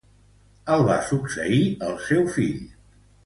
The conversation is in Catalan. El va succeir el seu fill.